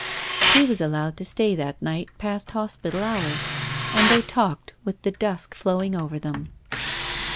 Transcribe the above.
She was allowed to stay that night past hospital hours, and they talked with the dusk flowing over them.